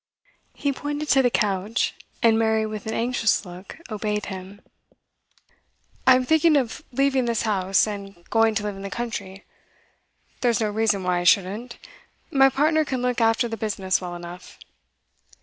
He pointed to the couch, and Mary, with an anxious look, obeyed him. 'I'm thinking of leaving this house, and going to live in the country. There's no reason why I shouldn't. My partner can look after the business well enough.